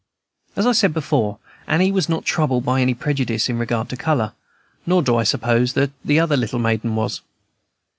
As I said before, Annie was not troubled by any prejudice in regard to color, nor do I suppose that the other little maiden was.